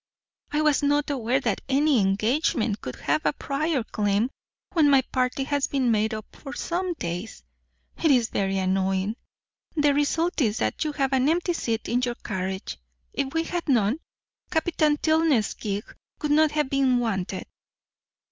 "I was not aware that any engagement could have a prior claim, when my party has been made up for some days. It is very annoying. The result is that you have an empty seat in your carriage; if we had known, Captain Tilney's gig would not have been wanted."